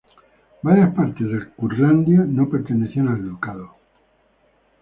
Varias partes de Curlandia no pertenecían al ducado.